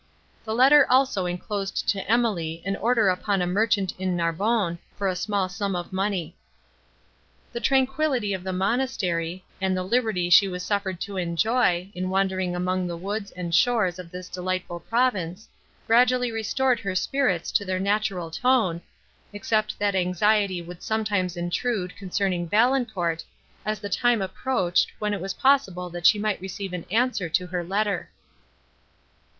The letter also inclosed to Emily an order upon a merchant at Narbonne, for a small sum of money. The tranquillity of the monastery, and the liberty she was suffered to enjoy, in wandering among the woods and shores of this delightful province, gradually restored her spirits to their natural tone, except that anxiety would sometimes intrude, concerning Valancourt, as the time approached, when it was possible that she might receive an answer to her letter.